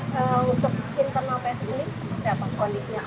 kalau gak salah udah kader kader dari ck ya masuk ya